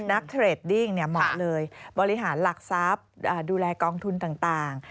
เทรดดิ้งเหมาะเลยบริหารหลักทรัพย์ดูแลกองทุนต่าง